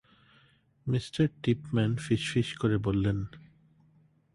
Me. Tipman ফিসফিস করে বললেন।